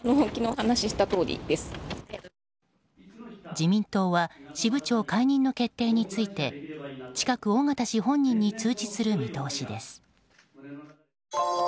自民党は支部長解任の決定について近く尾形氏本人に通知する見通しです。